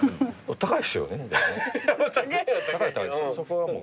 お高いですよねでもね。